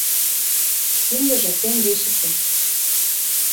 — Киндыже теҥгечысе.